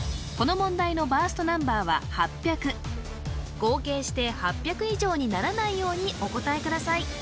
この問題のバーストナンバーは８００合計して８００以上にならないようにお答えください